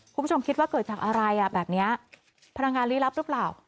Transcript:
คุณผู้ชมคิดว่าเกิดจากอะไรอ่ะแบบนี้พลังงานลี้ลับหรือเปล่า